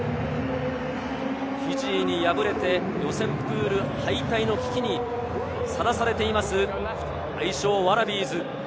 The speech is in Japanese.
フィジーに敗れて、予選プール敗退の危機にさらされています、愛称・ワラビーズ。